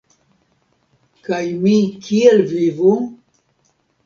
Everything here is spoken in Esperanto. Kaj mi kiel vivu?